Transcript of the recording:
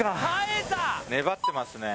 粘ってますね。